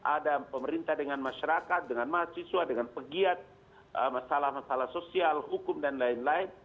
ada pemerintah dengan masyarakat dengan mahasiswa dengan pegiat masalah masalah sosial hukum dan lain lain